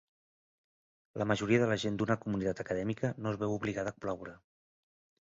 La majoria de la gent d'una comunitat acadèmica no es veu obligada a col·laborar.